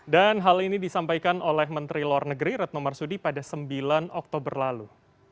dan hal ini disampaikan oleh menteri luar negeri retno marsudi pada sembilan oktober lalu